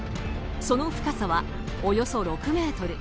その深さは、およそ６ｍ。